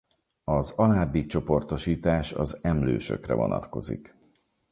Az alábbi csoportosítás az emlősökre vonatkozik.